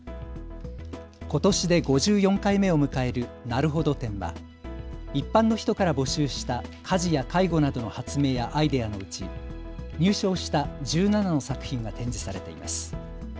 ことしで５４回目を迎えるなるほど展は一般の人から募集した家事や介護などの発明やアイデアのうち入賞した１７の作品が展示されています。